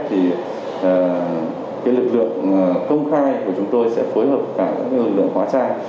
thì lực lượng công khai của chúng tôi sẽ phối hợp với các lực lượng hóa trang